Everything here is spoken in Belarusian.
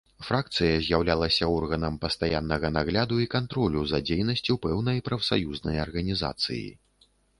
Фракцыя з'яўлялася органам пастаяннага нагляду і кантролю за дзейнасцю пэўнай прафсаюзнай арганізацыі.